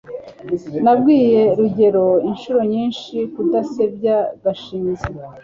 nabwiye rugeyo inshuro nyinshi kudasebya gashinzi